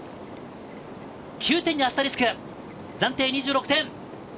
９点にアスタリスク、暫定２６点。